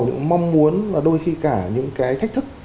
những mong muốn và đôi khi cả những thách thức